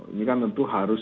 ini kan tentu harus